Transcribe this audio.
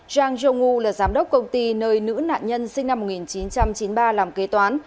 zhang zhongwu là giám đốc công ty nơi nữ nạn nhân sinh năm một nghìn chín trăm chín mươi ba làm kế toán